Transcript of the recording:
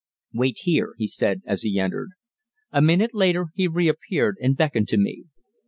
"Wait here," he said as he entered. A minute later he reappeared and beckoned to me.